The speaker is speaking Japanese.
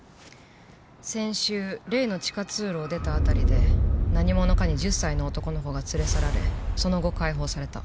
先週例の地下通路を出た辺りで何者かに１０歳の男の子が連れ去られその後解放された。